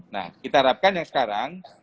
nah kita harapkan yang sekarang